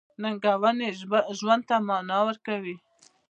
• ننګونې ژوند ته مانا ورکوي.